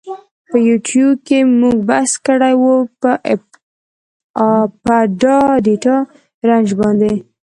په یوټیو کی مونږ بحث کړی وه په آپډا ډیټا رنج باندی.